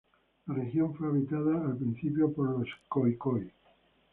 La región fue habitada al principio por los khoikhoi.